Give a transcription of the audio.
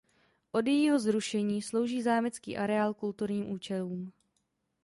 Od jejího zrušení slouží zámecký areál kulturním účelům.